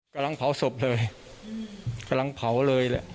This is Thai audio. กำลังเผาศพเลยกำลังเผาเลยแหละ